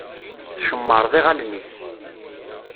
Tcemmṛeḍ iɣallen-ik.